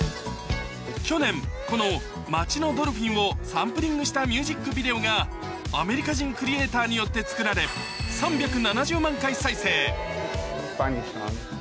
去年この『街のドルフィン』をサンプリングしたミュージックビデオがアメリカ人クリエーターによって作られ ＴｉｋＴｏｋ では